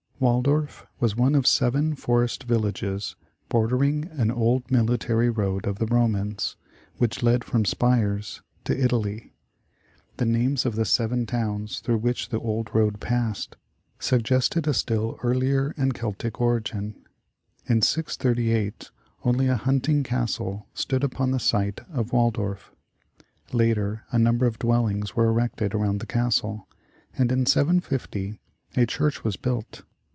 WALDORF was one of seven ''forest villages,'* bordering an old military road of the Romans, which led from Spires to Italy. The names of the seven towns through which the old road passed, sug gested a still earlier and Celtic origin. In 638 only a hunting castle stood upon the site of Waldorf. Later a number of dwellings were erected around the castle, and in 750 a church was built.